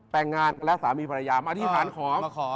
แต่งงานและสามีภรรยามาอธิษฐานหอม